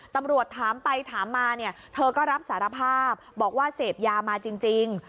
ตำรวจถามไปถามมาเนี่ยเธอก็รับสารภาพบอกว่าเสพยามาจริง